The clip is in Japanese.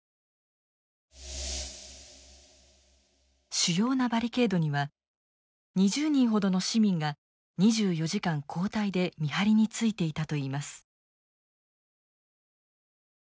主要なバリケードには２０人ほどの市民が２４時間交代で見張りについていたといいます。